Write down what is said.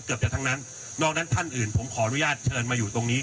เกือบจะทั้งนั้นนอกนั้นท่านอื่นผมขออนุญาตเชิญมาอยู่ตรงนี้